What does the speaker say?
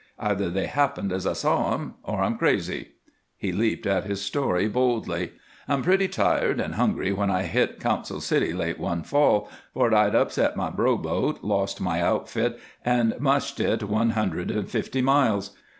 Either they happened as I saw them or I'm crazy." He leaped at his story boldly. "I'm pretty tired and hungry when I hit Council City late one fall, for I'd upset my rowboat, lost my outfit, and 'mushed' it one hundred fifty miles.